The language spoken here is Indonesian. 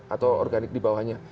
atau organik dibawahnya